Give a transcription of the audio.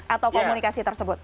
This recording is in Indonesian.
atau komunikasi tersebut